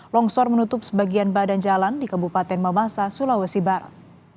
longsor menutup sebagian badan jalan di kabupaten mamasa sulawesi barat